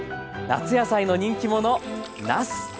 夏野菜の人気者なす。